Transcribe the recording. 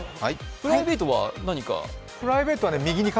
プライベートは何か？